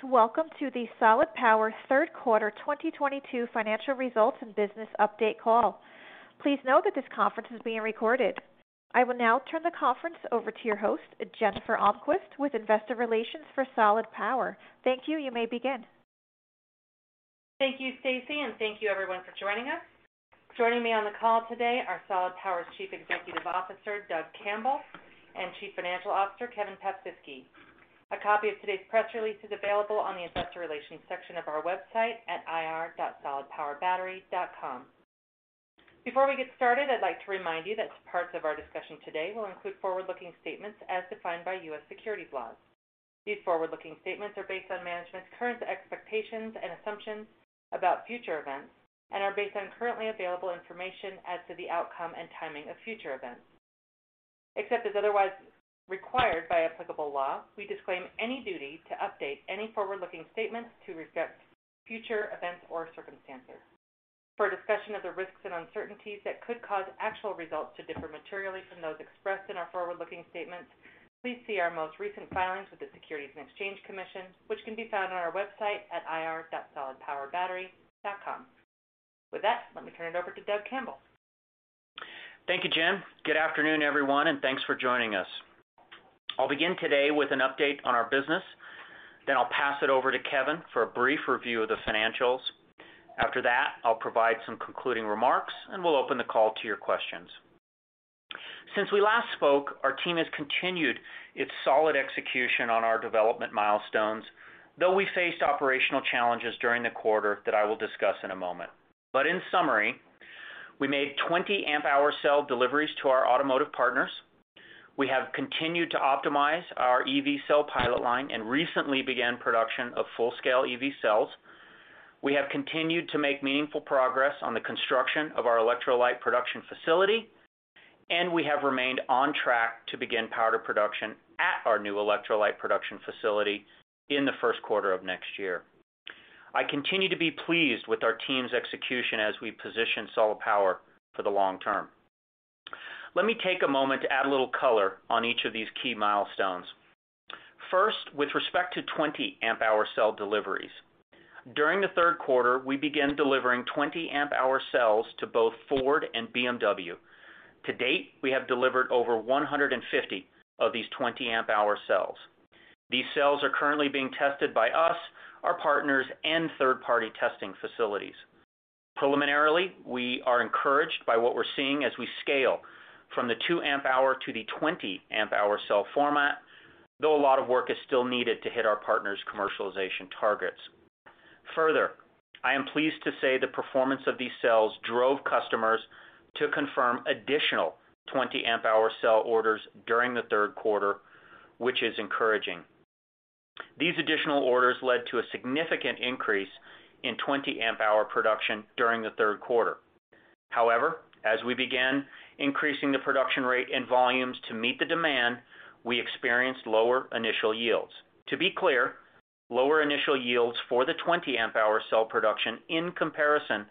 Greetings. Welcome to the Solid Power third quarter 2022 financial results and business update call. Please note that this conference is being recorded. I will now turn the conference over to your host, Jennifer Almquist, with investor relations for Solid Power. Thank you. You may begin. Thank you, Stacy, and thank you everyone for joining us. Joining me on the call today are Solid Power's Chief Executive Officer, Doug Campbell, and Chief Financial Officer, Kevin Paprzycki. A copy of today's press release is available on the investor relations section of our website at ir dot solidpowerbattery.com. Before we get started, I'd like to remind you that parts of our discussion today will include forward-looking statements as defined by U.S. securities laws. These forward-looking statements are based on management's current expectations and assumptions about future events and are based on currently available information as to the outcome and timing of future events. Except as otherwise required by applicable law, we disclaim any duty to update any forward-looking statements to reflect future events or circumstances. For a discussion of the risks and uncertainties that could cause actual results to differ materially from those expressed in our forward-looking statements, please see our most recent filings with the Securities and Exchange Commission, which can be found on our website at ir dot solidpowerbattery.com. With that, let me turn it over to Doug Campbell. Thank you, Jen. Good afternoon, everyone, and thanks for joining us. I'll begin today with an update on our business, then I'll pass it over to Kevin for a brief review of the financials. After that, I'll provide some concluding remarks, and we'll open the call to your questions. Since we last spoke, our team has continued its solid execution on our development milestones, though we faced operational challenges during the quarter that I will discuss in a moment. In summary, we made 20 Ah cell deliveries to our automotive partners. We have continued to optimize our EV cell pilot line and recently began production of full-scale EV cells. We have continued to make meaningful progress on the construction of our electrolyte production facility, and we have remained on track to begin powder production at our new electrolyte production facility in the first quarter of next year. I continue to be pleased with our team's execution as we position Solid Power for the long term. Let me take a moment to add a little color on each of these key milestones. First, with respect to 20 amp hour cell deliveries. During the third quarter, we began delivering 20 amp hour cells to both Ford and BMW. To date, we have delivered over 150 of these 20 amp hour cells. These cells are currently being tested by us, our partners, and third-party testing facilities. Preliminarily, we are encouraged by what we're seeing as we scale from the 2 amp hour to the 20 amp hour cell format, though a lot of work is still needed to hit our partners' commercialization targets. Further, I am pleased to say the performance of these cells drove customers to confirm additional 20 Ah cell orders during the third quarter, which is encouraging. These additional orders led to a significant increase in 20 Ah production during the third quarter. However, as we began increasing the production rate and volumes to meet the demand, we experienced lower initial yields. To be clear, lower initial yields for the 20 Ah cell production in comparison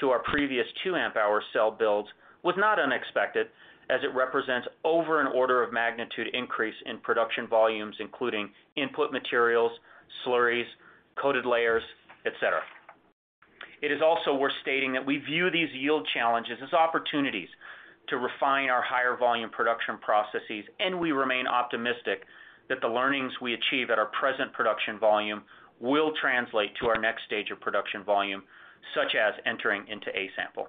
to our previous 2 Ah cell builds was not unexpected, as it represents over an order of magnitude increase in production volumes, including input materials, slurries, coated layers, et cetera. It is also worth stating that we view these yield challenges as opportunities to refine our higher volume production processes, and we remain optimistic that the learnings we achieve at our present production volume will translate to our next stage of production volume, such as entering into A-sample.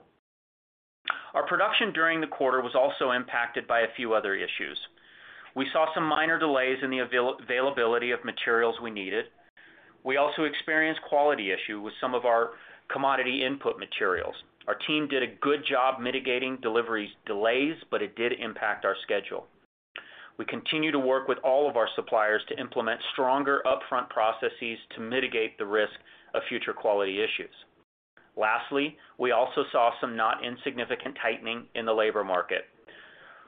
Our production during the quarter was also impacted by a few other issues. We saw some minor delays in the availability of materials we needed. We also experienced quality issues with some of our commodity input materials. Our team did a good job mitigating delivery delays, but it did impact our schedule. We continue to work with all of our suppliers to implement stronger upfront processes to mitigate the risk of future quality issues. Lastly, we also saw some not insignificant tightening in the labor market.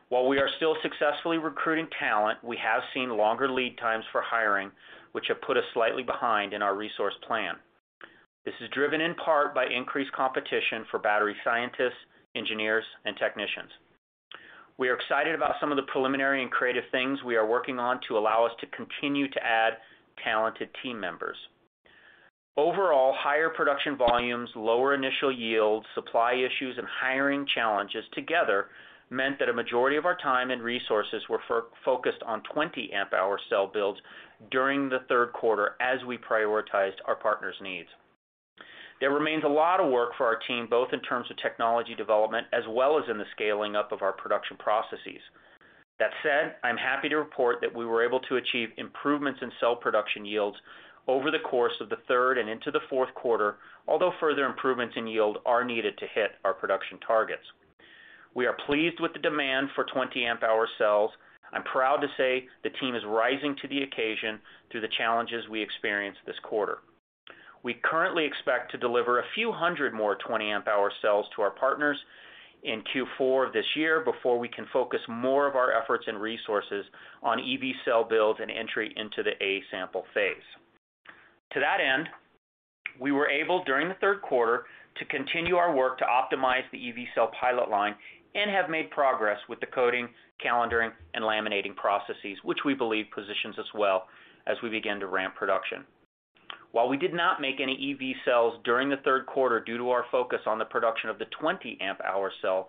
While we are still successfully recruiting talent, we have seen longer lead times for hiring, which have put us slightly behind in our resource plan. This is driven in part by increased competition for battery scientists, engineers, and technicians. We are excited about some of the preliminary and creative things we are working on to allow us to continue to add talented team members. Overall, higher production volumes, lower initial yields, supply issues, and hiring challenges together meant that a majority of our time and resources were focused on 20 Ah cell builds during the third quarter as we prioritized our partners' needs. There remains a lot of work for our team, both in terms of technology development as well as in the scaling up of our production processes. That said, I'm happy to report that we were able to achieve improvements in cell production yields over the course of the third and into the fourth quarter, although further improvements in yield are needed to hit our production targets. We are pleased with the demand for 20 amp-hour cells. I'm proud to say the team is rising to the occasion through the challenges we experienced this quarter. We currently expect to deliver a few hundred more 20 amp-hour cells to our partners in Q4 this year before we can focus more of our efforts and resources on EV cell builds and entry into the A-sample phase. To that end, we were able, during the third quarter, to continue our work to optimize the EV cell pilot line and have made progress with the coding, calendaring, and laminating processes, which we believe positions us well as we begin to ramp production. While we did not make any EV cells during the third quarter due to our focus on the production of the 20 amp hour cell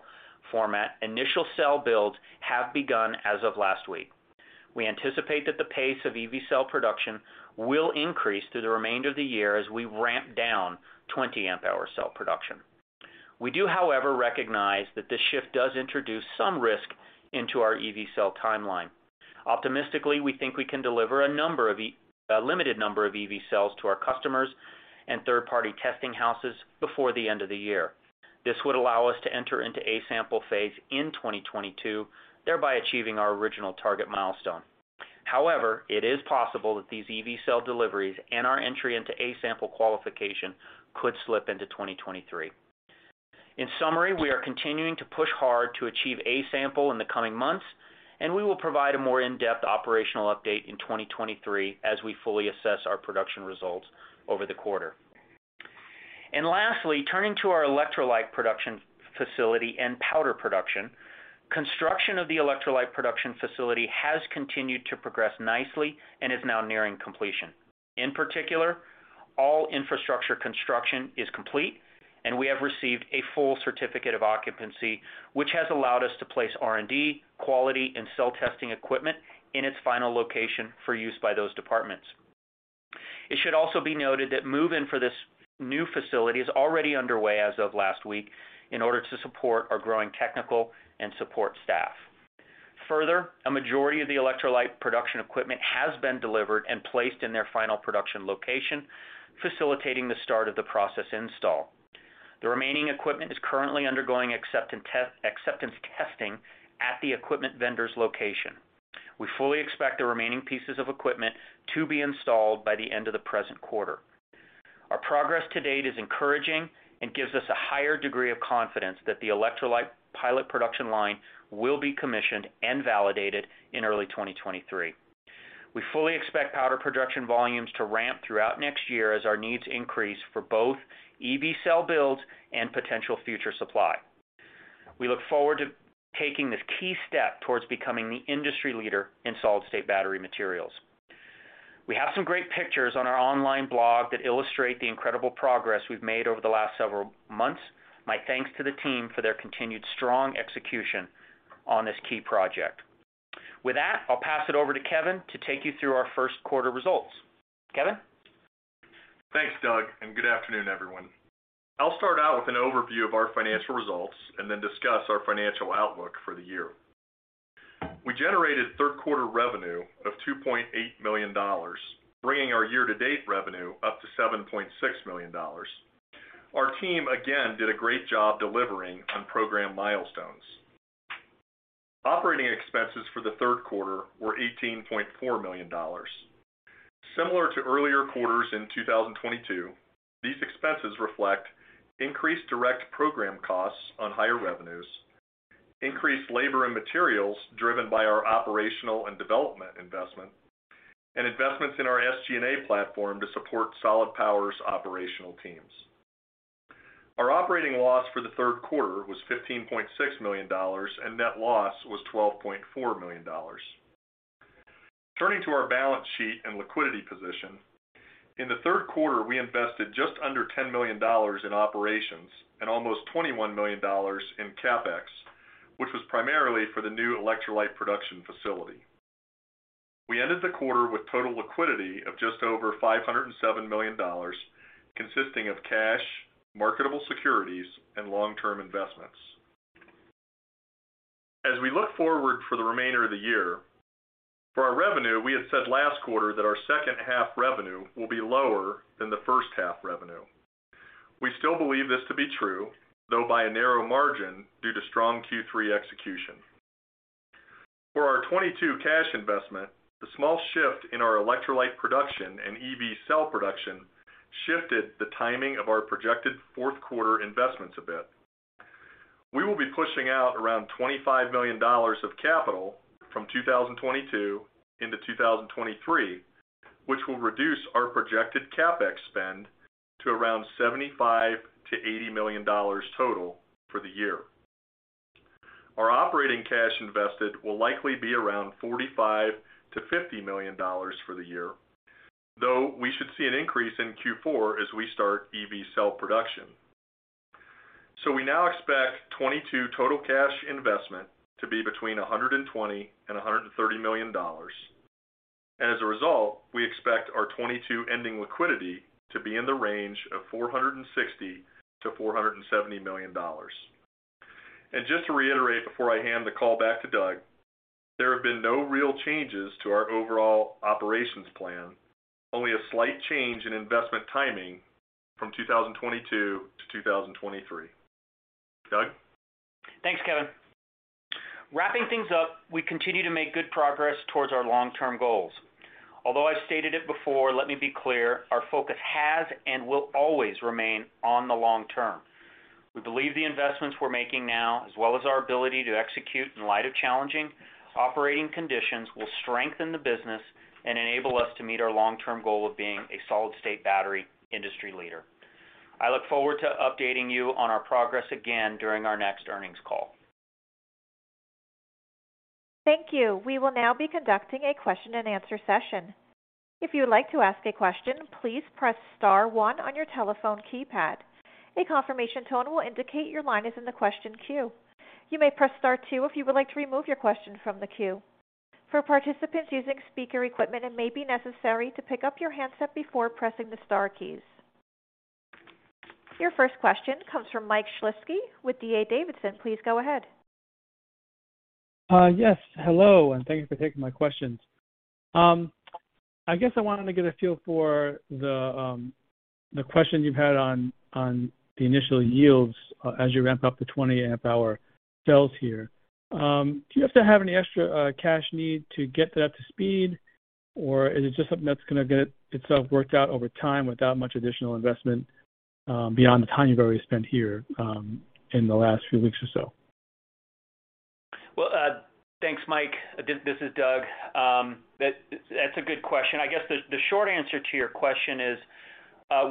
format, initial cell builds have begun as of last week. We anticipate that the pace of EV cell production will increase through the remainder of the year as we ramp down 20 amp hour cell production. We do, however, recognize that this shift does introduce some risk into our EV cell timeline. Optimistically, we think we can deliver a limited number of EV cells to our customers and third-party testing houses before the end of the year. This would allow us to enter into A-sample phase in 2022, thereby achieving our original target milestone. However, it is possible that these EV cell deliveries and our entry into A-sample qualification could slip into 2023. In summary, we are continuing to push hard to achieve A-sample in the coming months, and we will provide a more in-depth operational update in 2023 as we fully assess our production results over the quarter. Lastly, turning to our electrolyte production facility and powder production. Construction of the electrolyte production facility has continued to progress nicely and is now nearing completion. In particular, all infrastructure construction is complete, and we have received a full certificate of occupancy, which has allowed us to place R&D, quality, and cell testing equipment in its final location for use by those departments. It should also be noted that move-in for this new facility is already underway as of last week in order to support our growing technical and support staff. Further, a majority of the electrolyte production equipment has been delivered and placed in their final production location, facilitating the start of the process installation. The remaining equipment is currently undergoing acceptance testing at the equipment vendor's location. We fully expect the remaining pieces of equipment to be installed by the end of the present quarter. Our progress to date is encouraging and gives us a higher degree of confidence that the electrolyte pilot production line will be commissioned and validated in early 2023. We fully expect powder production volumes to ramp throughout next year as our needs increase for both EV cell builds and potential future supply. We look forward to taking this key step towards becoming the industry leader in solid-state battery materials. We have some great pictures on our online blog that illustrate the incredible progress we've made over the last several months. My thanks to the team for their continued strong execution on this key project. With that, I'll pass it over to Kevin to take you through our first quarter results. Kevin? Thanks, Doug, and good afternoon, everyone. I'll start out with an overview of our financial results and then discuss our financial outlook for the year. We generated third quarter revenue of $2.8 million, bringing our year-to-date revenue up to $7.6 million. Our team again did a great job delivering on program milestones. Operating expenses for the third quarter were $18.4 million. Similar to earlier quarters in 2022, these expenses reflect increased direct program costs on higher revenues, increased labor and materials driven by our operational and development investment, and investments in our SG&A platform to support Solid Power's operational teams. Our operating loss for the third quarter was $15.6 million, and net loss was $12.4 million. Turning to our balance sheet and liquidity position. In the third quarter, we invested just under $10 million in operations and almost $21 million in CapEx, which was primarily for the new electrolyte production facility. We ended the quarter with total liquidity of just over $507 million, consisting of cash, marketable securities, and long-term investments. As we look forward for the remainder of the year, for our revenue, we had said last quarter that our second half revenue will be lower than the first half revenue. We still believe this to be true, though by a narrow margin due to strong Q3 execution. For our 2022 cash investment, the small shift in our electrolyte production and EV cell production shifted the timing of our projected fourth quarter investments a bit. We will be pushing out around $25 million of capital from 2022 into 2023, which will reduce our projected CapEx spend to around $75-$80 million total for the year. Our operating cash invested will likely be around $45-$50 million for the year, though we should see an increase in Q4 as we start EV cell production. We now expect 2022 total cash investment to be between $120 and $130 million. As a result, we expect our 2022 ending liquidity to be in the range of $460-$470 million. Just to reiterate before I hand the call back to Doug, there have been no real changes to our overall operations plan, only a slight change in investment timing from 2022 to 2023. Doug? Thanks, Kevin. Wrapping things up, we continue to make good progress towards our long-term goals. Although I've stated it before, let me be clear, our focus has and will always remain on the long term. We believe the investments we're making now, as well as our ability to execute in light of challenging operating conditions, will strengthen the business and enable us to meet our long-term goal of being a solid-state battery industry leader. I look forward to updating you on our progress again during our next earnings call. Thank you. We will now be conducting a question-and-answer session. If you would like to ask a question, please press star one on your telephone keypad. A confirmation tone will indicate your line is in the question queue. You may press star two if you would like to remove your question from the queue. For participants using speaker equipment, it may be necessary to pick up your handset before pressing the star keys. Your first question comes from Mike Shlisky with D.A. Davidson. Please go ahead. Yes, hello, and thank you for taking my questions. I guess I wanted to get a feel for the question you've had on the initial yields as you ramp up the 20 amp hour cells here. Do you have to have any extra cash need to get that up to speed? Or is it just something that's gonna get itself worked out over time without much additional investment beyond the time you've already spent here in the last few weeks or so? Well, thanks, Mike. This is Doug. That's a good question. I guess the short answer to your question is,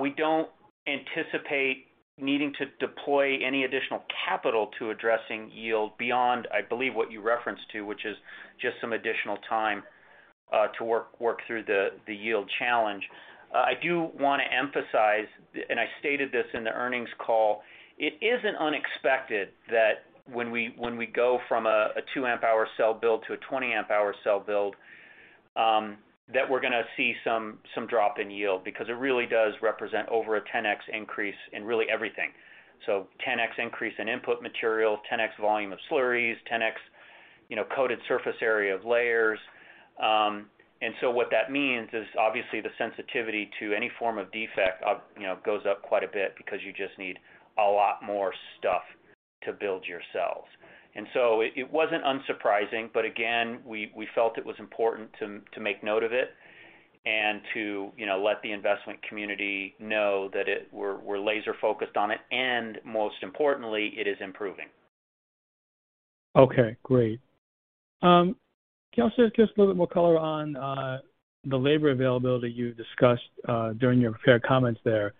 we don't anticipate needing to deploy any additional capital to addressing yield beyond, I believe, what you referenced to, which is just some additional time, to work through the yield challenge. I do wanna emphasize, and I stated this in the earnings call, it isn't unexpected that when we go from a 2 amp hour cell build to a 20 amp hour cell build, that we're gonna see some drop in yield because it really does represent over a 10X increase in really everything. 10X increase in input material, 10X volume of slurries, 10X, you know, coated surface area of layers. What that means is obviously the sensitivity to any form of defect of, you know, goes up quite a bit because you just need a lot more stuff to build your cells. It wasn't unsurprising. Again, we felt it was important to make note of it and to, you know, let the investment community know that we're laser focused on it, and most importantly, it is improving. Okay, great. Can you also give us a little bit more color on the labor availability you discussed during your prepared comments there?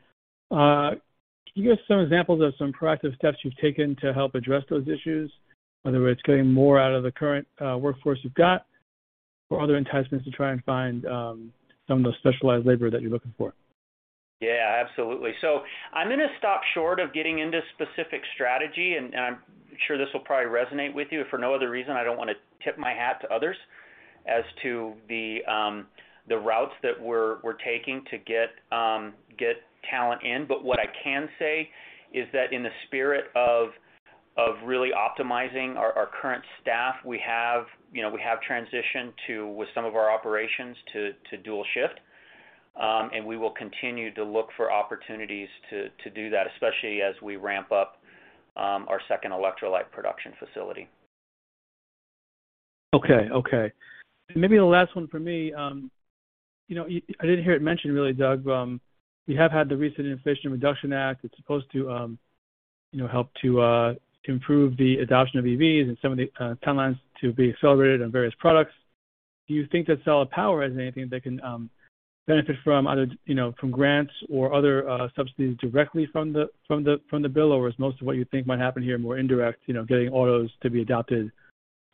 Can you give some examples of some proactive steps you've taken to help address those issues, whether it's getting more out of the current workforce you've got or other enticements to try and find some of the specialized labor that you're looking for? Yeah, absolutely. I'm gonna stop short of getting into specific strategy, and I'm sure this will probably resonate with you. For no other reason, I don't wanna tip my hat to others as to the routes that we're taking to get talent in. What I can say is that in the spirit of really optimizing our current staff, we have, you know, transitioned to, with some of our operations to dual shift. We will continue to look for opportunities to do that, especially as we ramp up our second electrolyte production facility. Okay. Maybe the last one for me, you know, I didn't hear it mentioned really, Doug. We have had the recent Inflation Reduction Act. It's supposed to, you know, help to improve the adoption of EVs and some of the timelines to be accelerated on various products. Do you think that Solid Power has anything that can benefit from other, you know, from grants or other subsidies directly from the bill? Or is most of what you think might happen here more indirect, you know, getting autos to be adopted,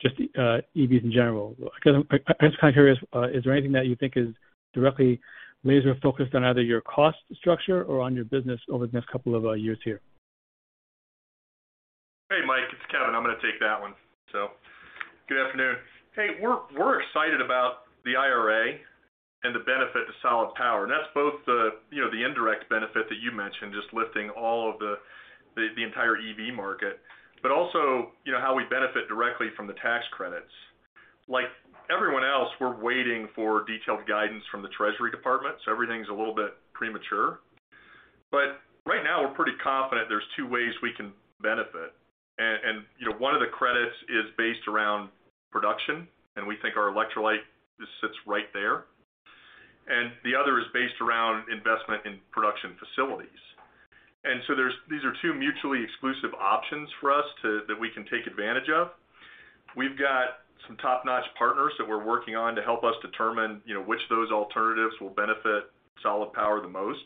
just EVs in general? Again, I'm just kinda curious, is there anything that you think is directly laser focused on either your cost structure or on your business over the next couple of years here? Hey, Mike, it's Kevin. I'm gonna take that one. Good afternoon. Hey, we're excited about the IRA and the benefit to Solid Power, and that's both the, you know, the indirect benefit that you mentioned, just lifting all of the the entire EV market. But also, you know, how we benefit directly from the tax credits. Like everyone else, we're waiting for detailed guidance from the Treasury Department, so everything's a little bit premature. But right now, we're pretty confident there's two ways we can benefit. And you know, one of the credits is based around production, and we think our electrolyte sits right there. And the other is based around investment in production facilities. And so there's these are two mutually exclusive options for us that we can take advantage of. We've got some top-notch partners that we're working on to help us determine, you know, which of those alternatives will benefit Solid Power the most.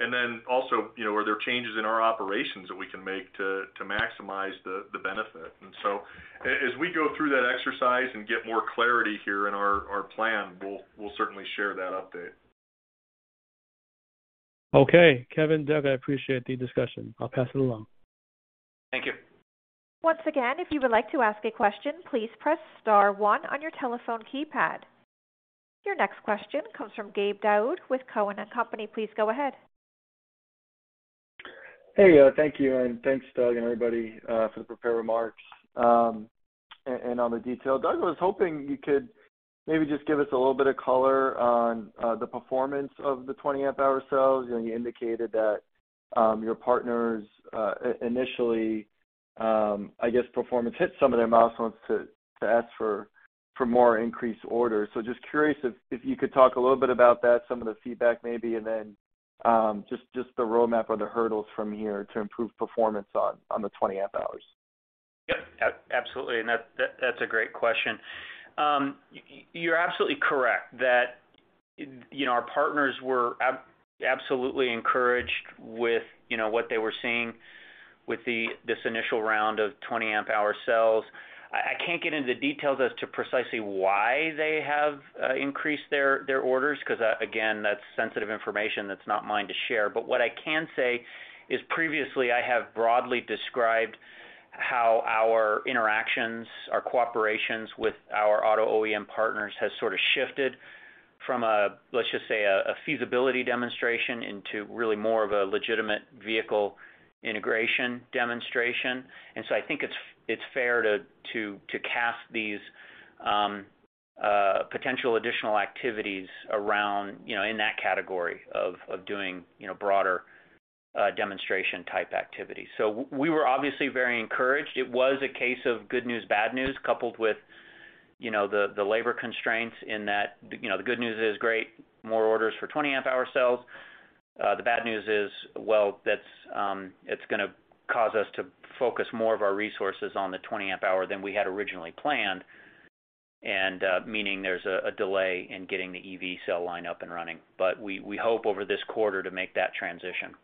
Are there changes in our operations that we can make to maximize the benefit? As we go through that exercise and get more clarity here in our plan, we'll certainly share that update. Okay. Kevin, Doug, I appreciate the discussion. I'll pass it along. Thank you. Once again, if you would like to ask a question, please press star one on your telephone keypad. Your next question comes from Gabe Daoud with Cowen and Company. Please go ahead. Hey, thank you, and thanks, Doug and everybody, for the prepared remarks, and all the detail. Doug, I was hoping you could maybe just give us a little bit of color on the performance of the 20 amp-hour cells. You know, you indicated that your partners initially I guess performance hits some of their milestones to ask for more increased orders. Just curious if you could talk a little bit about that, some of the feedback maybe, and then just the roadmap or the hurdles from here to improve performance on the 20 amp hours. Yep. Absolutely. That's a great question. You're absolutely correct that, you know, our partners were absolutely encouraged with, you know, what they were seeing with this initial round of 20 amp hour cells. I can't get into details as to precisely why they have increased their orders because, again, that's sensitive information that's not mine to share. What I can say is previously I have broadly described how our interactions, our cooperations with our auto OEM partners has sort of shifted from, let's just say, a feasibility demonstration into really more of a legitimate vehicle integration demonstration. I think it's fair to cast these potential additional activities around, you know, in that category of doing, you know, broader demonstration type activities. We were obviously very encouraged. It was a case of good news, bad news, coupled with, you know, the labor constraints in that, you know, the good news is great, more orders for 20 amp hour cells. The bad news is, well, that's, it's gonna cause us to focus more of our resources on the 20 amp hour than we had originally planned, and meaning there's a delay in getting the EV cell line up and running. We hope over this quarter to make that transition.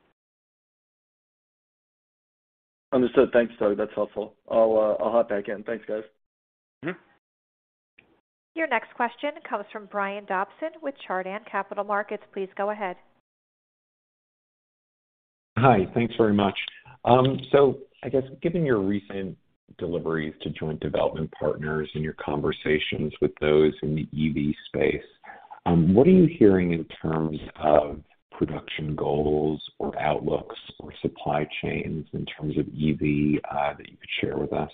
Understood. Thanks, Doug. That's helpful. I'll hop back in. Thanks, guys. Mm-hmm. Your next question comes from Brian Dobson with Chardan Capital Markets. Please go ahead. Hi. Thanks very much. I guess given your recent deliveries to joint development partners and your conversations with those in the EV space, what are you hearing in terms of production goals or outlooks or supply chains in terms of EV, that you could share with us?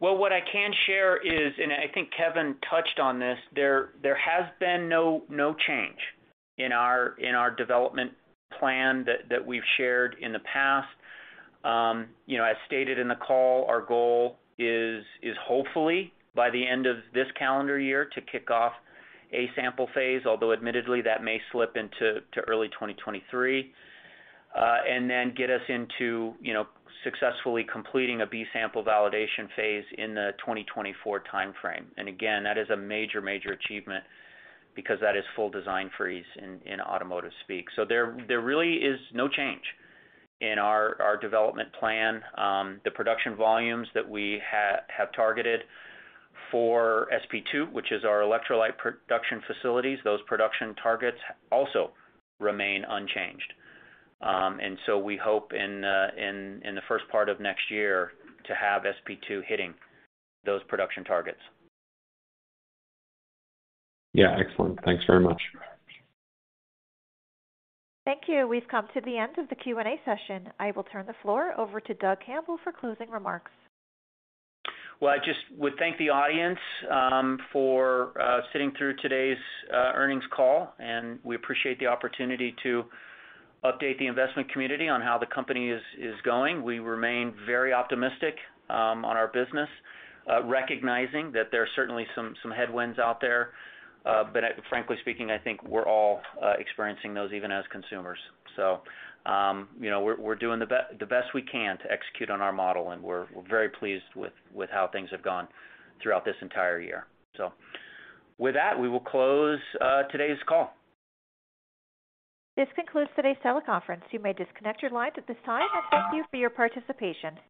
Well, what I can share is, and I think Kevin touched on this, there has been no change in our development plan that we've shared in the past. You know, as stated in the call, our goal is hopefully by the end of this calendar year to kick off A-sample phase, although admittedly that may slip into early 2023, and then get us into, you know, successfully completing a B-sample validation phase in the 2024 timeframe. Again, that is a major achievement because that is full design freeze in automotive speak. There really is no change in our development plan. The production volumes that we have targeted for SP2, which is our electrolyte production facility, those production targets also remain unchanged. We hope in the first part of next year to have SP2 hitting those production targets. Yeah, excellent. Thanks very much. Thank you. We've come to the end of the Q&A session. I will turn the floor over to Doug Campbell for closing remarks. Well, I just would thank the audience for sitting through today's earnings call, and we appreciate the opportunity to update the investment community on how the company is going. We remain very optimistic on our business, recognizing that there are certainly some headwinds out there. Frankly speaking, I think we're all experiencing those even as consumers. You know, we're doing the best we can to execute on our model, and we're very pleased with how things have gone throughout this entire year. With that, we will close today's call. This concludes today's teleconference. You may disconnect your lines at this time. Thank you for your participation.